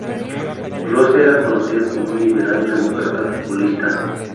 Rose era conocido como un liberal, demócrata populista.